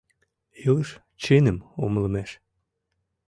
Илыш чыным умылымеш